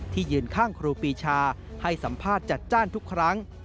ยืนข้างครูปีชาให้สัมภาษณ์จัดจ้านทุกครั้ง